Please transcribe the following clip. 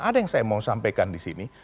ada yang saya mau sampaikan disini